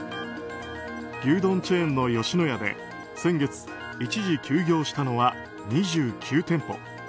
牛丼チェーンの吉野家で先月、一時休業したのは２９店舗。